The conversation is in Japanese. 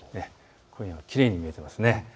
今夜はきれいに見えますね。